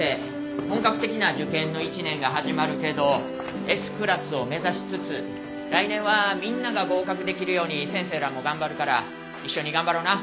本格的な受験の一年が始まるけどＳクラスを目指しつつ来年はみんなが合格できるように先生らも頑張るから一緒に頑張ろな。